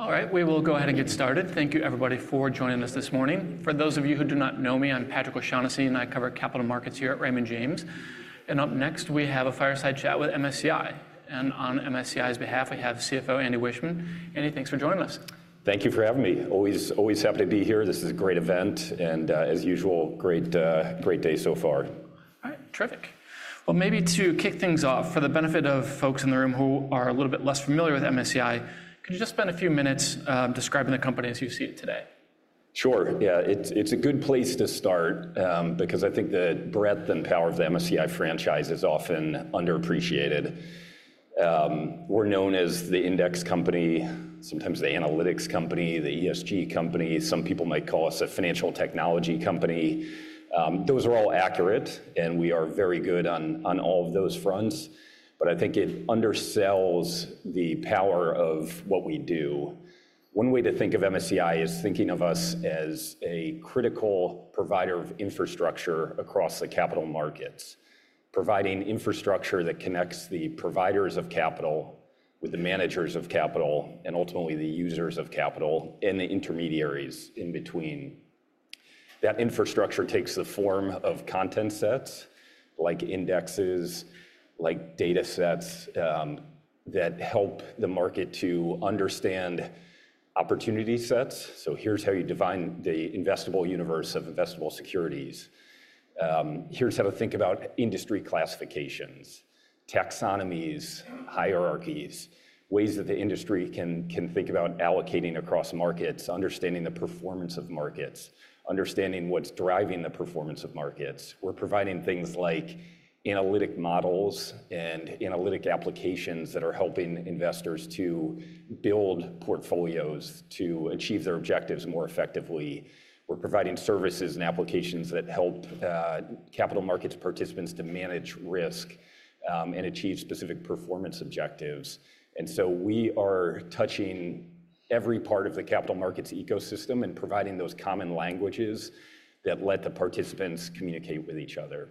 All right, we will go ahead and get started. Thank you, everybody, for joining us this morning. For those of you who do not know me, I'm Patrick O'Shaughnessy, and I cover capital markets here at Raymond James. And up next, we have a fireside chat with MSCI. And on MSCI's behalf, we have CFO Andy Wiechmann. Andy, thanks for joining us. Thank you for having me. Always happy to be here. This is a great event, and as usual, great day so far. All right, terrific. Well, maybe to kick things off, for the benefit of folks in the room who are a little bit less familiar with MSCI, could you just spend a few minutes describing the company as you see it today? Sure. Yeah, it's a good place to start because I think the breadth and power of the MSCI franchise is often underappreciated. We're known as the index company, sometimes the analytics company, the ESG company. Some people might call us a financial technology company. Those are all accurate, and we are very good on all of those fronts. But I think it undersells the power of what we do. One way to think of MSCI is thinking of us as a critical provider of infrastructure across the capital markets, providing infrastructure that connects the providers of capital with the managers of capital, and ultimately the users of capital and the intermediaries in between. That infrastructure takes the form of content sets, like indexes, like data sets that help the market to understand opportunity sets. So here's how you define the investable universe of investable securities. Here's how to think about industry classifications, taxonomies, hierarchies, ways that the industry can think about allocating across markets, understanding the performance of markets, understanding what's driving the performance of markets. We're providing things like analytic models and analytic applications that are helping investors to build portfolios to achieve their objectives more effectively. We're providing services and applications that help capital markets participants to manage risk and achieve specific performance objectives. And so we are touching every part of the capital markets ecosystem and providing those common languages that let the participants communicate with each other.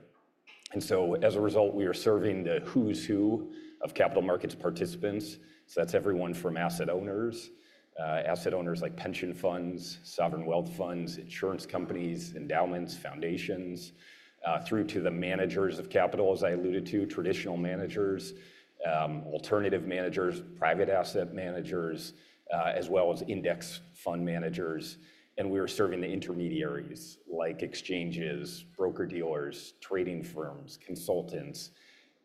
And so as a result, we are serving the who's who of capital markets participants. That's everyone from asset owners, asset owners like pension funds, sovereign wealth funds, insurance companies, endowments, foundations, through to the managers of capital, as I alluded to: traditional managers, alternative managers, private asset managers, as well as index fund managers. We are serving the intermediaries like exchanges, broker-dealers, trading firms, consultants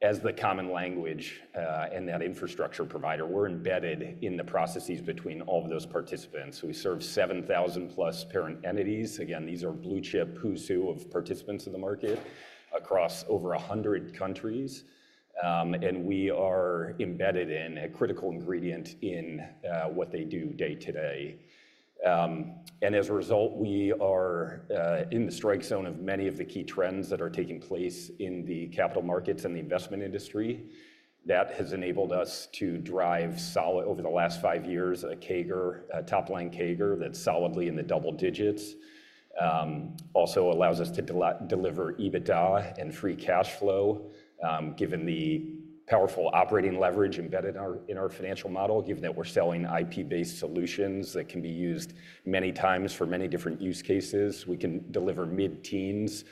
as the common language and that infrastructure provider. We're embedded in the processes between all of those participants. We serve 7,000-plus parent entities. Again, these are blue chip who's who of participants in the market across over 100 countries. We are embedded in a critical ingredient in what they do day to day. And as a result, we are in the strike zone of many of the key trends that are taking place in the capital markets and the investment industry that has enabled us to drive solid over the last five years a top-line CAGR that's solidly in the double digits. Also allows us to deliver EBITDA and free cash flow given the powerful operating leverage embedded in our financial model, given that we're selling IP-based solutions that can be used many times for many different use cases. We can deliver mid-teens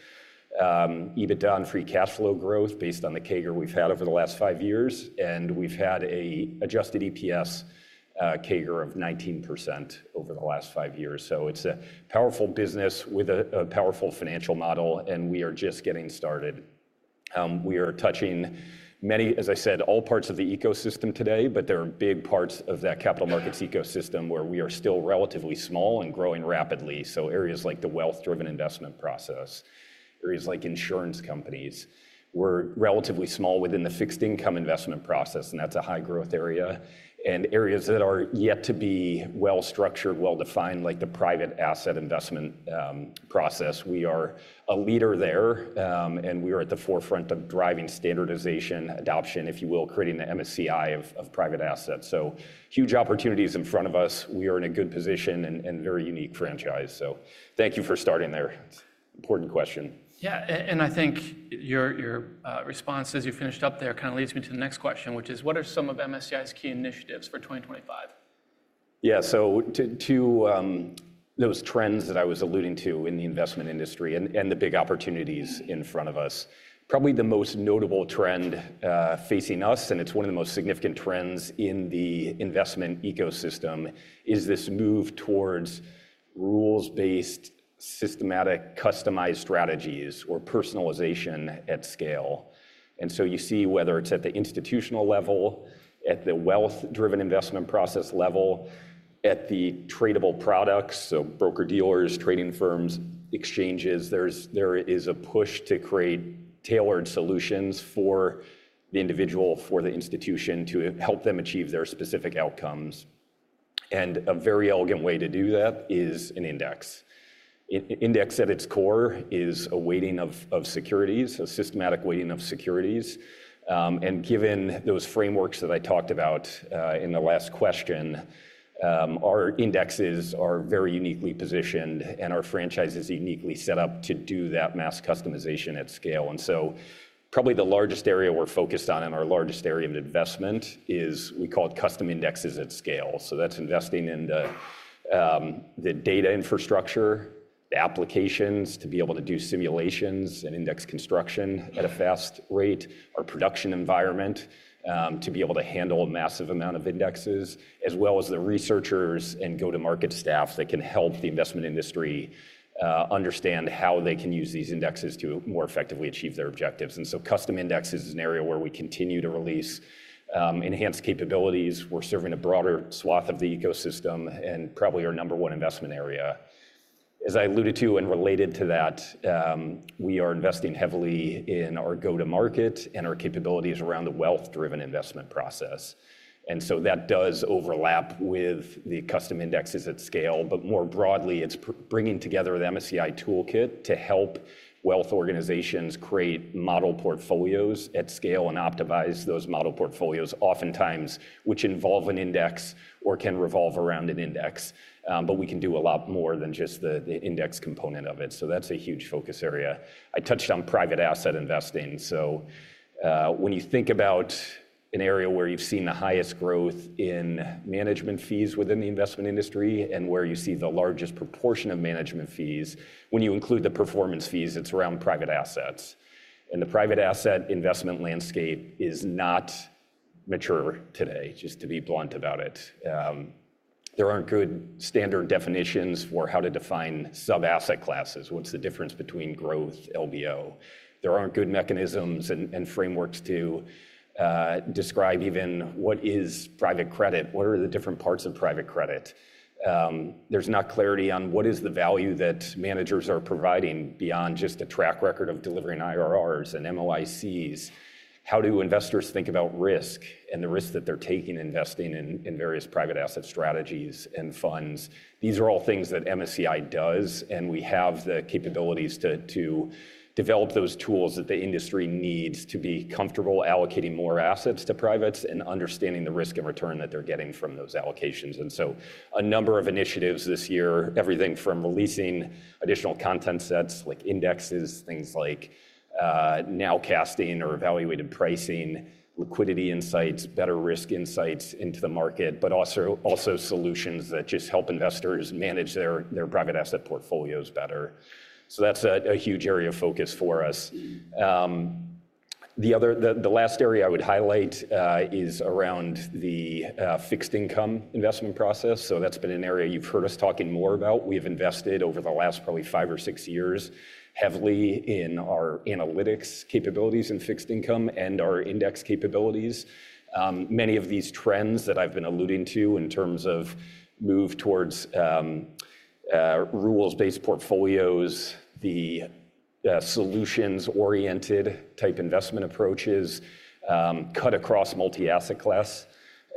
EBITDA and free cash flow growth based on the CAGR we've had over the last five years. And we've had an adjusted EPS CAGR of 19% over the last five years. So it's a powerful business with a powerful financial model, and we are just getting started. We are touching many, as I said, all parts of the ecosystem today, but there are big parts of that capital markets ecosystem where we are still relatively small and growing rapidly, so areas like the wealth-driven investment process, areas like insurance companies, we're relatively small within the fixed income investment process, and that's a high-growth area, and areas that are yet to be well-structured, well-defined, like the private asset investment process, we are a leader there, and we are at the forefront of driving standardization, adoption, if you will, creating the MSCI of private assets, so huge opportunities in front of us. We are in a good position and a very unique franchise. So thank you for starting there. It's an important question. Yeah, and I think your response, as you finished up there, kind of leads me to the next question, which is, what are some of MSCI's key initiatives for 2025? Yeah, so to those trends that I was alluding to in the investment industry and the big opportunities in front of us, probably the most notable trend facing us, and it's one of the most significant trends in the investment ecosystem, is this move towards rules-based, systematic, customized strategies or personalization at scale. And so you see whether it's at the institutional level, at the wealth-driven investment process level, at the tradable products, so broker-dealers, trading firms, exchanges, there is a push to create tailored solutions for the individual, for the institution to help them achieve their specific outcomes. And a very elegant way to do that is an index. Index at its core is a weighting of securities, a systematic weighting of securities. Given those frameworks that I talked about in the last question, our indexes are very uniquely positioned, and our franchise is uniquely set up to do that mass customization at scale. Probably the largest area we're focused on in our largest area of investment is we call it custom indexes at scale. That's investing in the data infrastructure, the applications to be able to do simulations and index construction at a fast rate, our production environment to be able to handle a massive amount of indexes, as well as the researchers and go-to-market staff that can help the investment industry understand how they can use these indexes to more effectively achieve their objectives. Custom indexes is an area where we continue to release enhanced capabilities. We're serving a broader swath of the ecosystem and probably our number one investment area. As I alluded to and related to that, we are investing heavily in our go-to-market and our capabilities around the wealth-driven investment process, and so that does overlap with the custom indexes at scale, but more broadly, it's bringing together the MSCI toolkit to help wealth organizations create model portfolios at scale and optimize those model portfolios, oftentimes which involve an index or can revolve around an index, but we can do a lot more than just the index component of it, so that's a huge focus area. I touched on private asset investing, so when you think about an area where you've seen the highest growth in management fees within the investment industry and where you see the largest proportion of management fees, when you include the performance fees, it's around private assets, and the private asset investment landscape is not mature today, just to be blunt about it. There aren't good standard definitions for how to define sub-asset classes, what's the difference between growth, LBO? There aren't good mechanisms and frameworks to describe even what is private credit, what are the different parts of private credit. There's not clarity on what is the value that managers are providing beyond just a track record of delivering IRRs and MOICs. How do investors think about risk and the risk that they're taking investing in various private asset strategies and funds? These are all things that MSCI does, and we have the capabilities to develop those tools that the industry needs to be comfortable allocating more assets to privates and understanding the risk and return that they're getting from those allocations. And so a number of initiatives this year, everything from releasing additional content sets like indexes, things like nowcasting or evaluated pricing, liquidity insights, better risk insights into the market, but also solutions that just help investors manage their private asset portfolios better. So that's a huge area of focus for us. The last area I would highlight is around the fixed income investment process. So that's been an area you've heard us talking more about. We have invested over the last probably five or six years heavily in our analytics capabilities and fixed income and our index capabilities. Many of these trends that I've been alluding to in terms of move towards rules-based portfolios, the solutions-oriented type investment approaches cut across multi-asset class.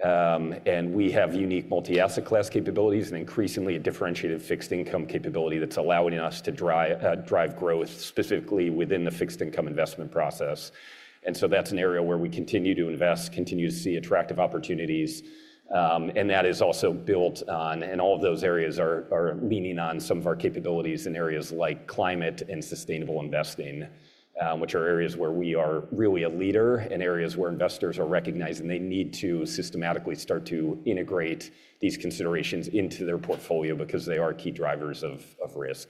And we have unique multi-asset class capabilities and increasingly a differentiated fixed income capability that's allowing us to drive growth specifically within the fixed income investment process. And so that's an area where we continue to invest, continue to see attractive opportunities. And that is also built on, and all of those areas are leaning on some of our capabilities in areas like climate and sustainable investing, which are areas where we are really a leader and areas where investors are recognizing they need to systematically start to integrate these considerations into their portfolio because they are key drivers of risk.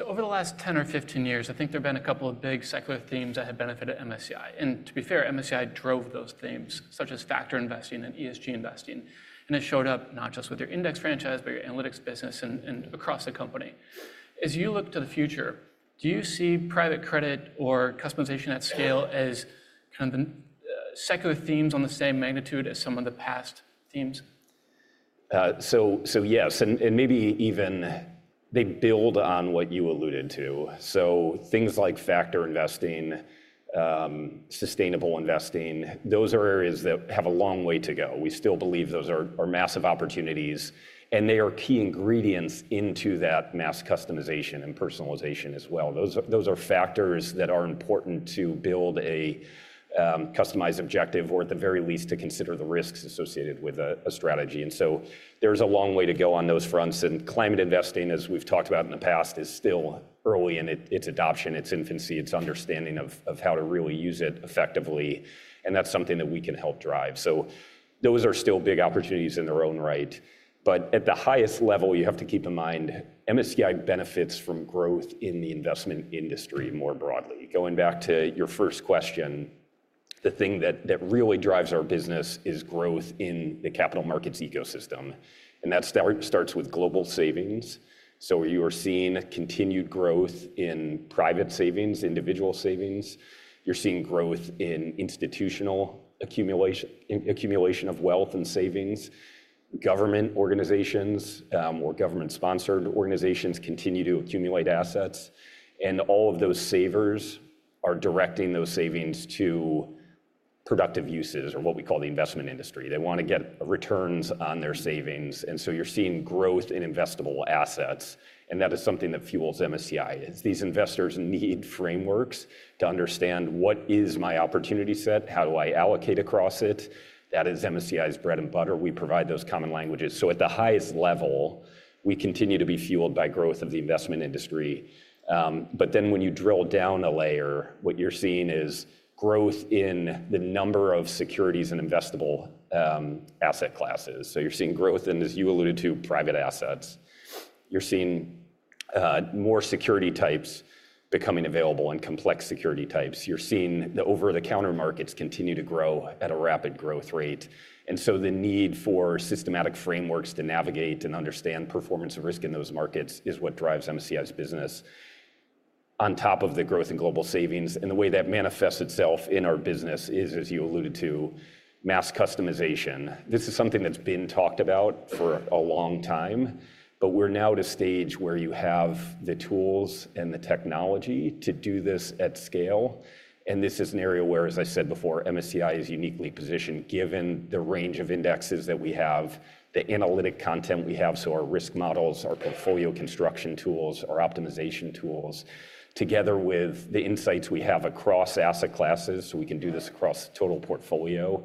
Over the last 10 or 15 years, I think there have been a couple of big secular themes that have benefited MSCI. To be fair, MSCI drove those themes, such as factor investing and ESG investing. It showed up not just with your index franchise, but your analytics business and across the company. As you look to the future, do you see private credit or customization at scale as kind of secular themes on the same magnitude as some of the past themes? So yes, and maybe even they build on what you alluded to. So things like factor investing, sustainable investing, those are areas that have a long way to go. We still believe those are massive opportunities, and they are key ingredients into that mass customization and personalization as well. Those are factors that are important to build a customized objective or at the very least to consider the risks associated with a strategy. And so there's a long way to go on those fronts. And climate investing, as we've talked about in the past, is still early in its adoption, its infancy, its understanding of how to really use it effectively. And that's something that we can help drive. So those are still big opportunities in their own right. But at the highest level, you have to keep in mind MSCI benefits from growth in the investment industry more broadly. Going back to your first question, the thing that really drives our business is growth in the capital markets ecosystem, and that starts with global savings, so you are seeing continued growth in private savings, individual savings, you're seeing growth in institutional accumulation of wealth and savings. Government organizations or government-sponsored organizations continue to accumulate assets, and all of those savers are directing those savings to productive uses or what we call the investment industry. They want to get returns on their savings, and so you're seeing growth in investable assets, and that is something that fuels MSCI. These investors need frameworks to understand what is my opportunity set, how do I allocate across it. That is MSCI's bread and butter. We provide those common languages, so at the highest level, we continue to be fueled by growth of the investment industry. But then when you drill down a layer, what you're seeing is growth in the number of securities and investable asset classes. So you're seeing growth in, as you alluded to, private assets. You're seeing more security types becoming available and complex security types. You're seeing the over-the-counter markets continue to grow at a rapid growth rate. And so the need for systematic frameworks to navigate and understand performance of risk in those markets is what drives MSCI's business. On top of the growth in global savings and the way that manifests itself in our business is, as you alluded to, mass customization. This is something that's been talked about for a long time, but we're now at a stage where you have the tools and the technology to do this at scale. This is an area where, as I said before, MSCI is uniquely positioned given the range of indexes that we have, the analytic content we have, so our risk models, our portfolio construction tools, our optimization tools, together with the insights we have across asset classes. We can do this across the total portfolio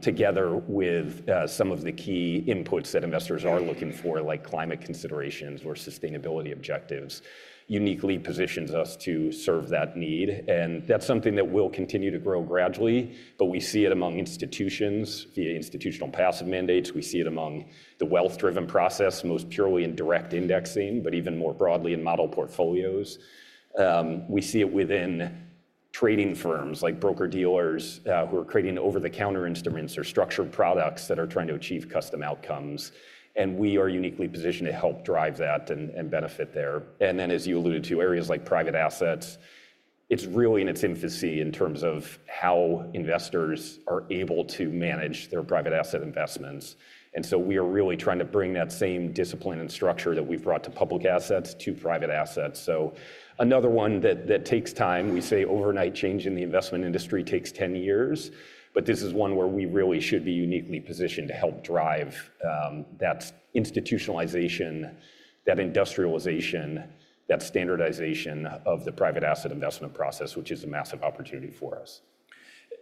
together with some of the key inputs that investors are looking for, like climate considerations or sustainability objectives, uniquely positions us to serve that need. That's something that will continue to grow gradually. We see it among institutions via institutional passive mandates. We see it among the wealth-driven process, most purely in direct indexing, but even more broadly in model portfolios. We see it within trading firms like broker-dealers who are creating over-the-counter instruments or structured products that are trying to achieve custom outcomes. We are uniquely positioned to help drive that and benefit there. Then, as you alluded to, areas like private assets, it's really in its infancy in terms of how investors are able to manage their private asset investments. We are really trying to bring that same discipline and structure that we've brought to public assets to private assets. Another one that takes time, we say overnight change in the investment industry takes 10 years, but this is one where we really should be uniquely positioned to help drive that institutionalization, that industrialization, that standardization of the private asset investment process, which is a massive opportunity for us.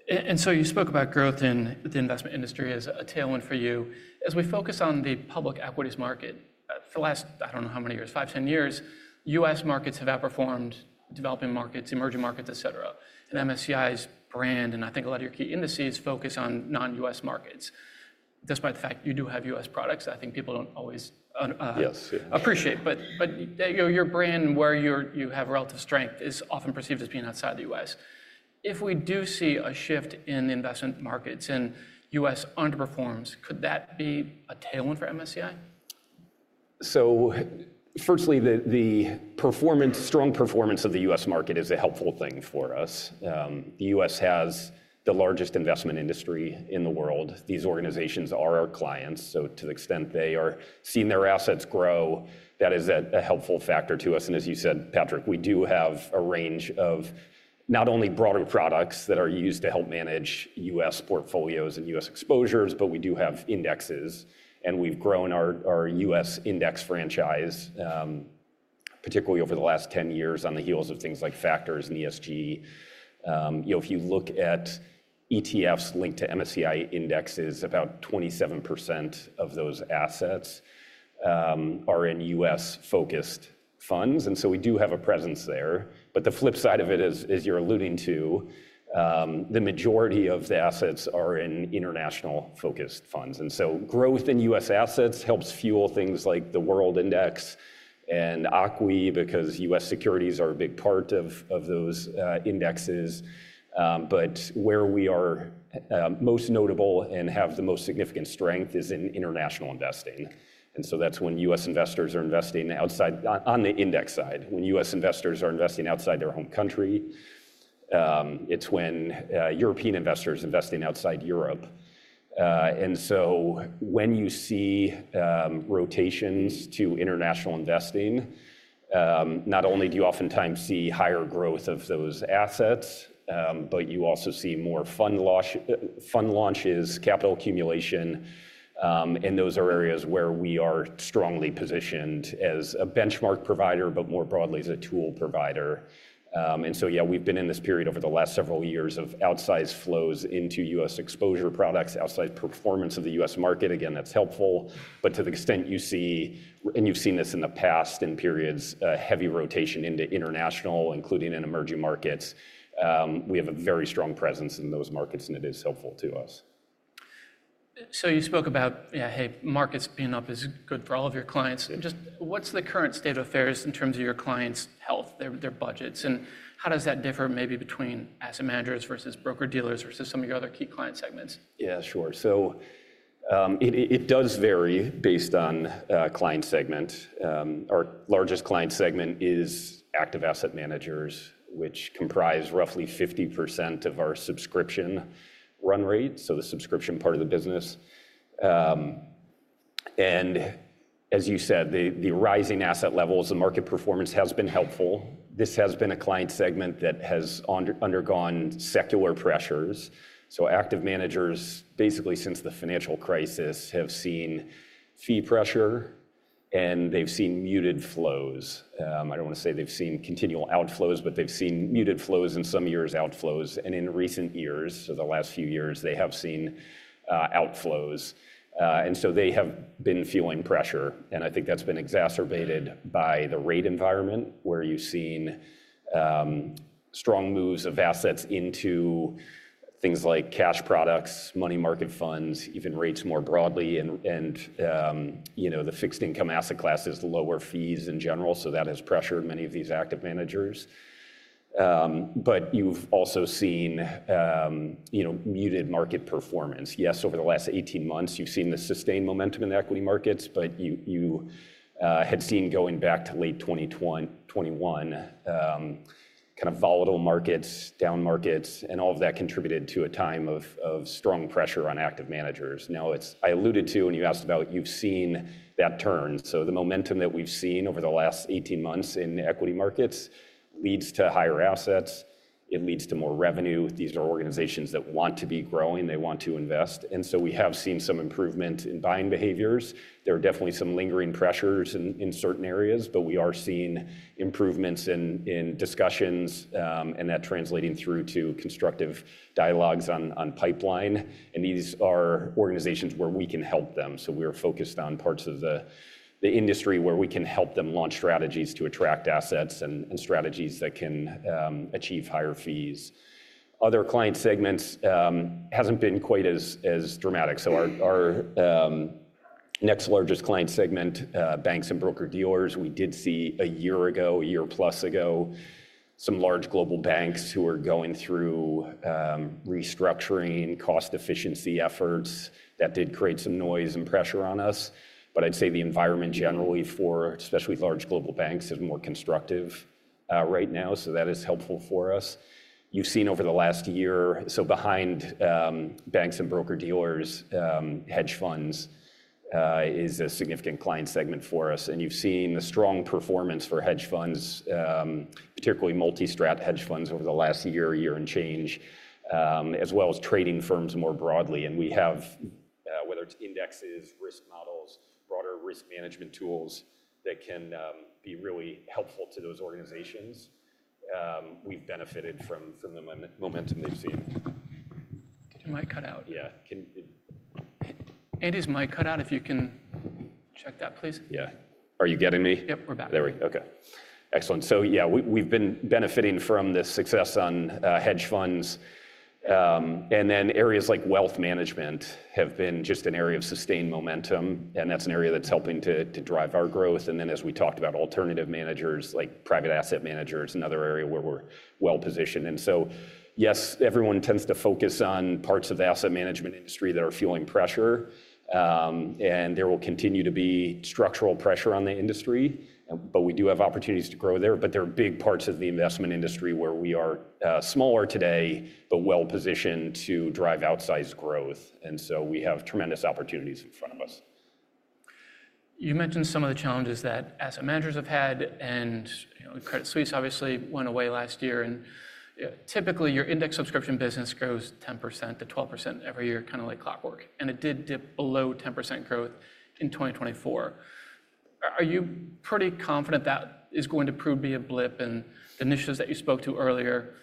And so you spoke about growth in the investment industry as a tailwind for you. As we focus on the public equities market, for the last, I don't know how many years, five, 10 years, U.S. markets have outperformed developing markets, emerging markets, et cetera. And MSCI's brand, and I think a lot of your key indices focus on non-U.S. markets. Despite the fact you do have U.S. products, I think people don't always appreciate. But your brand, where you have relative strength, is often perceived as being outside the U.S. If we do see a shift in the investment markets and U.S. underperforms, could that be a tailwind for MSCI? So firstly, the strong performance of the U.S. market is a helpful thing for us. The U.S. has the largest investment industry in the world. These organizations are our clients. So to the extent they are seeing their assets grow, that is a helpful factor to us. And as you said, Patrick, we do have a range of not only broader products that are used to help manage U.S. portfolios and U.S. exposures, but we do have indexes. And we've grown our U.S. index franchise, particularly over the last 10 years on the heels of things like factors and ESG. If you look at ETFs linked to MSCI indexes, about 27% of those assets are in U.S.-focused funds. And so we do have a presence there. But the flip side of it, as you're alluding to, the majority of the assets are in international-focused funds. And so growth in U.S. assets helps fuel things like the World Index and ACWI because U.S. securities are a big part of those indexes, but where we are most notable and have the most significant strength is in international investing, and so that's when U.S. investors are investing on the index side, when U.S. investors are investing outside their home country, it's when European investors are investing outside Europe, and so when you see rotations to international investing, not only do you oftentimes see higher growth of those assets, but you also see more fund launches, capital accumulation, and those are areas where we are strongly positioned as a benchmark provider, but more broadly as a tool provider, and so, yeah, we've been in this period over the last several years of outsized flows into U.S. exposure products, outsized performance of the U.S. market, again, that's helpful. But to the extent you see, and you've seen this in the past in periods, heavy rotation into international, including in emerging markets, we have a very strong presence in those markets, and it is helpful to us. So you spoke about, yeah, hey, markets being up is good for all of your clients. Just what's the current state of affairs in terms of your clients' health, their budgets, and how does that differ maybe between asset managers versus broker-dealers versus some of your other key client segments? Yeah, sure. So it does vary based on client segment. Our largest client segment is active asset managers, which comprise roughly 50% of our subscription run rate, so the subscription part of the business. And as you said, the rising asset levels, the market performance has been helpful. This has been a client segment that has undergone secular pressures. So active managers, basically since the financial crisis, have seen fee pressure, and they've seen muted flows. I don't want to say they've seen continual outflows, but they've seen muted flows and some years outflows. And in recent years, so the last few years, they have seen outflows. And so they have been feeling pressure. And I think that's been exacerbated by the rate environment where you've seen strong moves of assets into things like cash products, money market funds, even rates more broadly. And the fixed income asset classes, lower fees in general. So that has pressured many of these active managers. But you've also seen muted market performance. Yes, over the last 18 months, you've seen the sustained momentum in the equity markets, but you had seen going back to late 2021, kind of volatile markets, down markets, and all of that contributed to a time of strong pressure on active managers. Now, I alluded to, and you asked about, you've seen that turn. So the momentum that we've seen over the last 18 months in equity markets leads to higher assets. It leads to more revenue. These are organizations that want to be growing. They want to invest. And so we have seen some improvement in buying behaviors. There are definitely some lingering pressures in certain areas, but we are seeing improvements in discussions and that translating through to constructive dialogues on pipeline, and these are organizations where we can help them, so we are focused on parts of the industry where we can help them launch strategies to attract assets and strategies that can achieve higher fees. Other client segments haven't been quite as dramatic, so our next largest client segment, banks and broker-dealers, we did see a year ago, a year plus ago, some large global banks who are going through restructuring cost efficiency efforts that did create some noise and pressure on us, but I'd say the environment generally for, especially large global banks, is more constructive right now, so that is helpful for us. You've seen over the last year, so behind banks and broker-dealers, hedge funds is a significant client segment for us. And you've seen a strong performance for hedge funds, particularly multi-strat hedge funds over the last year, a year and change, as well as trading firms more broadly. And we have, whether it's indexes, risk models, broader risk management tools that can be really helpful to those organizations. We've benefited from the momentum they've seen. Mic cut out? Yeah. Andy's mic cut out if you can check that, please. Yeah. Are you getting me? Yep, we're back. There we go. Okay. Excellent, so yeah, we've been benefiting from this success on hedge funds, and then areas like wealth management have been just an area of sustained momentum, and that's an area that's helping to drive our growth, and then as we talked about alternative managers like private asset managers, another area where we're well positioned, and so yes, everyone tends to focus on parts of the asset management industry that are feeling pressure, and there will continue to be structural pressure on the industry, but we do have opportunities to grow there, but there are big parts of the investment industry where we are smaller today, but well positioned to drive outsized growth, and so we have tremendous opportunities in front of us. You mentioned some of the challenges that asset managers have had. And Credit Suisse obviously went away last year. And typically your index subscription business grows 10%-12% every year, kind of like clockwork. And it did dip below 10% growth in 2024. Are you pretty confident that is going to prove to be a blip and the initiatives that you spoke to earlier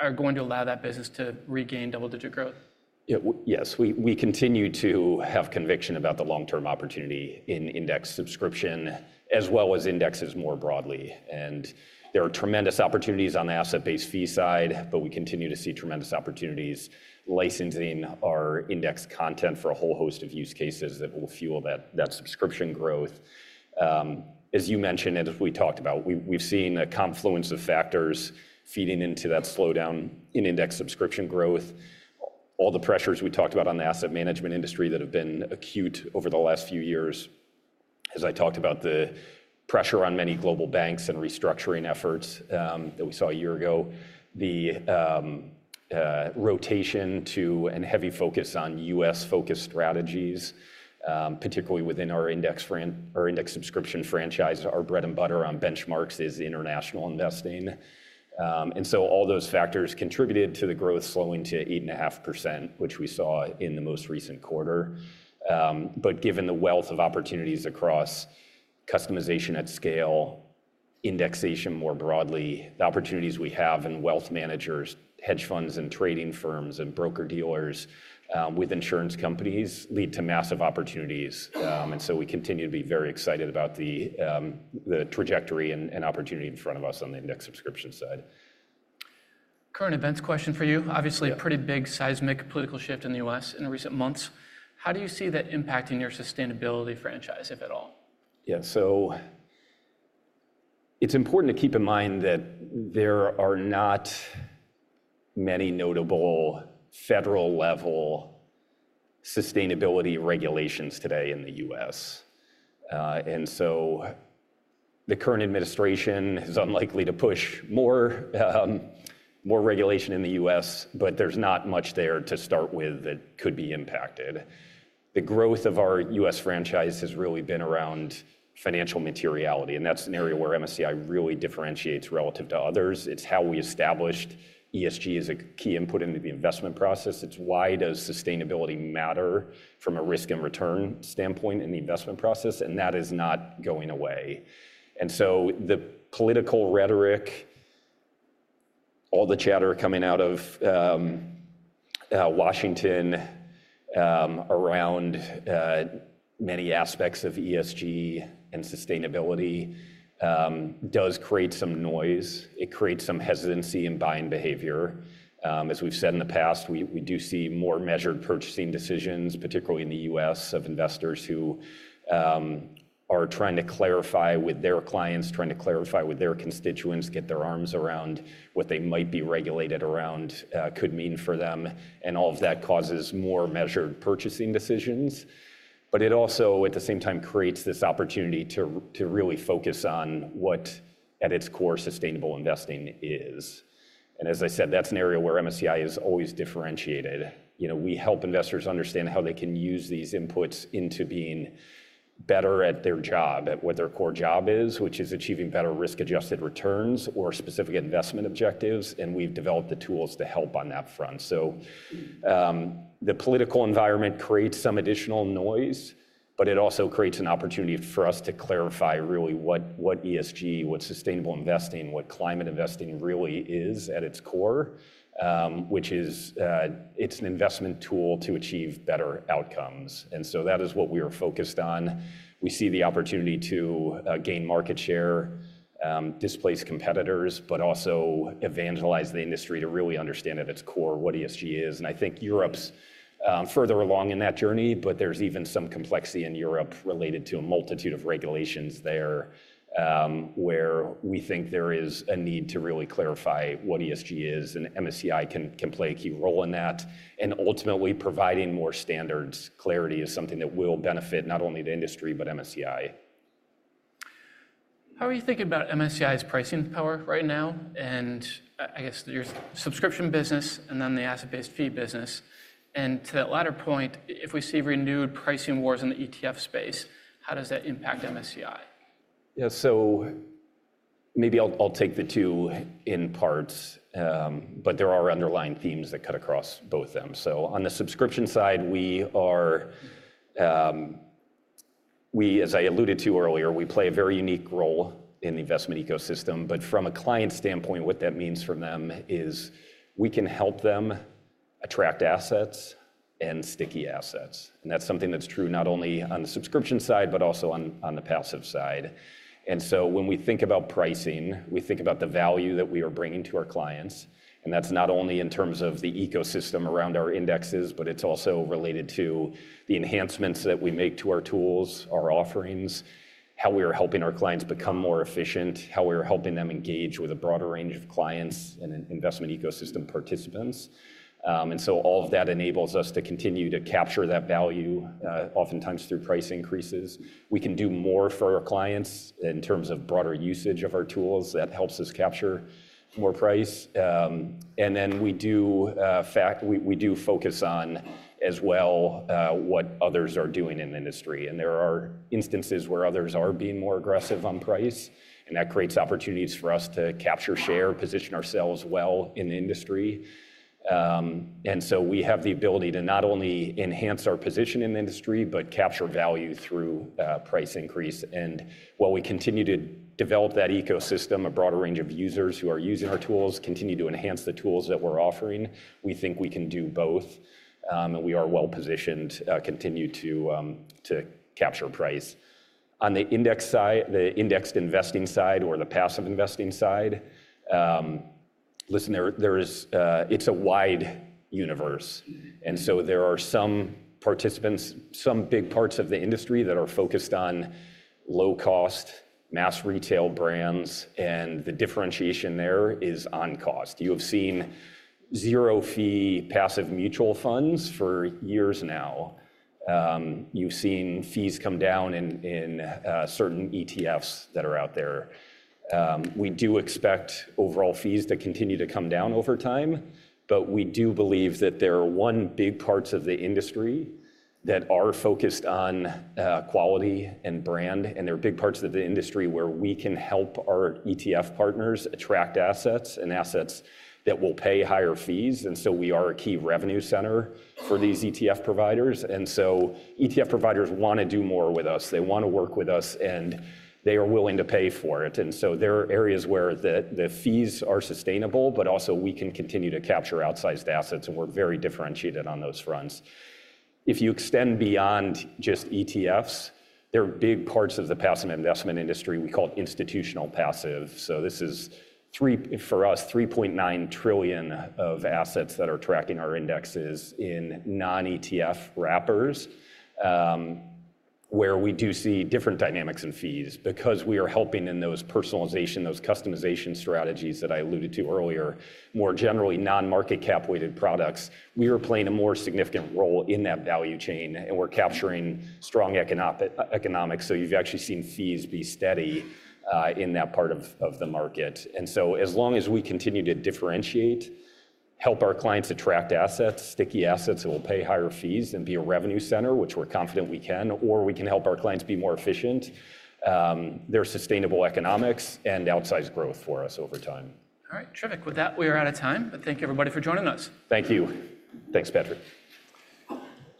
are going to allow that business to regain double-digit growth? Yes. We continue to have conviction about the long-term opportunity in index subscription as well as indexes more broadly, and there are tremendous opportunities on the asset-based fee side, but we continue to see tremendous opportunities licensing our index content for a whole host of use cases that will fuel that subscription growth. As you mentioned, as we talked about, we've seen a confluence of factors feeding into that slowdown in index subscription growth. All the pressures we talked about on the asset management industry that have been acute over the last few years. As I talked about, the pressure on many global banks and restructuring efforts that we saw a year ago, the rotation to a heavy focus on U.S.-focused strategies, particularly within our index subscription franchise. Our bread and butter on benchmarks is international investing. And so all those factors contributed to the growth slowing to 8.5%, which we saw in the most recent quarter. But given the wealth of opportunities across customization at scale, indexation more broadly, the opportunities we have in wealth managers, hedge funds and trading firms and broker-dealers with insurance companies lead to massive opportunities. And so we continue to be very excited about the trajectory and opportunity in front of us on the index subscription side. Current events question for you. Obviously, a pretty big seismic political shift in the U.S. in recent months. How do you see that impacting your sustainability franchise, if at all? Yeah. So it's important to keep in mind that there are not many notable federal-level sustainability regulations today in the U.S. And so the current administration is unlikely to push more regulation in the U.S., but there's not much there to start with that could be impacted. The growth of our U.S. franchise has really been around financial materiality. And that's an area where MSCI really differentiates relative to others. It's how we established ESG as a key input into the investment process. It's why does sustainability matter from a risk and return standpoint in the investment process? And that is not going away. And so the political rhetoric, all the chatter coming out of Washington around many aspects of ESG and sustainability does create some noise. It creates some hesitancy in buying behavior. As we've said in the past, we do see more measured purchasing decisions, particularly in the U.S., of investors who are trying to clarify with their clients, trying to clarify with their constituents, get their arms around what they might be regulated around could mean for them. And all of that causes more measured purchasing decisions. But it also, at the same time, creates this opportunity to really focus on what, at its core, sustainable investing is. And as I said, that's an area where MSCI is always differentiated. We help investors understand how they can use these inputs into being better at their job, at what their core job is, which is achieving better risk-adjusted returns or specific investment objectives. And we've developed the tools to help on that front. So the political environment creates some additional noise, but it also creates an opportunity for us to clarify really what ESG, what sustainable investing, what climate investing really is at its core, which is it's an investment tool to achieve better outcomes. And so that is what we are focused on. We see the opportunity to gain market share, displace competitors, but also evangelize the industry to really understand at its core what ESG is. And I think Europe's further along in that journey, but there's even some complexity in Europe related to a multitude of regulations there where we think there is a need to really clarify what ESG is. And MSCI can play a key role in that. And ultimately, providing more standards clarity is something that will benefit not only the industry, but MSCI. How are you thinking about MSCI's pricing power right now? And I guess your subscription business and then the asset-based fee business. And to that latter point, if we see renewed pricing wars in the ETF space, how does that impact MSCI? Yeah. So maybe I'll take the two in parts, but there are underlying themes that cut across both of them. So on the subscription side, as I alluded to earlier, we play a very unique role in the investment ecosystem. But from a client standpoint, what that means for them is we can help them attract assets and sticky assets. And that's something that's true not only on the subscription side, but also on the passive side. And so when we think about pricing, we think about the value that we are bringing to our clients. And that's not only in terms of the ecosystem around our indexes, but it's also related to the enhancements that we make to our tools, our offerings, how we are helping our clients become more efficient, how we are helping them engage with a broader range of clients and investment ecosystem participants. And so all of that enables us to continue to capture that value, oftentimes through price increases. We can do more for our clients in terms of broader usage of our tools that helps us capture more price. And then we do focus on as well what others are doing in the industry. And there are instances where others are being more aggressive on price. And that creates opportunities for us to capture share, position ourselves well in the industry. And so we have the ability to not only enhance our position in the industry, but capture value through price increase. And while we continue to develop that ecosystem, a broader range of users who are using our tools continue to enhance the tools that we're offering, we think we can do both. And we are well positioned to continue to capture price. On the index side, the indexed investing side or the passive investing side, listen, it's a wide universe. And so there are some participants, some big parts of the industry that are focused on low-cost mass retail brands. And the differentiation there is on cost. You have seen zero-fee passive mutual funds for years now. You've seen fees come down in certain ETFs that are out there. We do expect overall fees to continue to come down over time. But we do believe that there are other big parts of the industry that are focused on quality and brand. And there are big parts of the industry where we can help our ETF partners attract assets that will pay higher fees. And so we are a key revenue center for these ETF providers. And so ETF providers want to do more with us. They want to work with us. And they are willing to pay for it. And so there are areas where the fees are sustainable, but also we can continue to capture outsized assets. And we're very differentiated on those fronts. If you extend beyond just ETFs, there are big parts of the passive investment industry we call institutional passive. So this is for us, $3.9 trillion of assets that are tracking our indexes in non-ETF wrappers, where we do see different dynamics and fees. Because we are helping in those personalization, those customization strategies that I alluded to earlier, more generally non-market cap weighted products, we are playing a more significant role in that value chain. And we're capturing strong economics. So you've actually seen fees be steady in that part of the market. And so as long as we continue to differentiate, help our clients attract assets, sticky assets that will pay higher fees and be a revenue center, which we're confident we can, or we can help our clients be more efficient, there are sustainable economics and outsized growth for us over time. All right. Terrific. With that, we are out of time. But thank everybody for joining us. Thank you. Thanks, Patrick.